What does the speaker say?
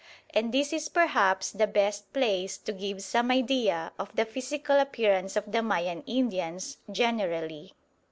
And this is perhaps the best place to give some idea of the physical appearance of the Mayan Indians generally.